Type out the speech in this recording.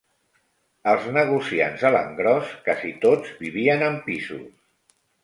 Els negociants a l'engròs casi tots vivien en pisos